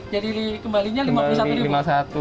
jadi kembalinya rp lima puluh satu